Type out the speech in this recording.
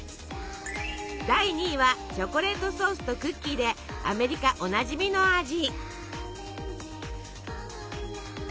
第２位はチョコレートソースとクッキーでアメリカおなじみの味。